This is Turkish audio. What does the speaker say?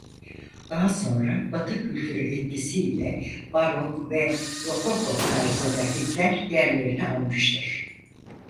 Daha sonra batı kültürü etkisi ile Barok ve Rokoko tarzı lahitler yerlerini almıştır.